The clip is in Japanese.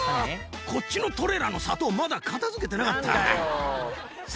こっちのトレーラーの砂糖、まだ片づけてなかった。